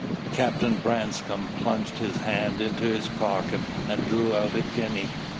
Captain Branscome plunged his hand into his pocket and drew out a guinea.